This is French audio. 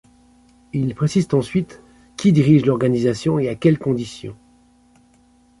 Ils précisent ensuite qui dirigent l’organisation et à quelle condition.